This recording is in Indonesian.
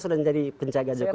sudah menjadi penjaga jokowi